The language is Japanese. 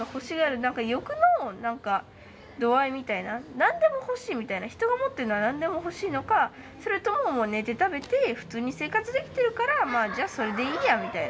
「何でも欲しい」みたいな人が持ってるのは何でも欲しいのかそれとも「もう寝て食べて普通に生活できてるからまあじゃあそれでいいや」みたいな。